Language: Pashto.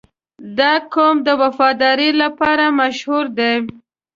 • دا قوم د وفادارۍ لپاره مشهور دی.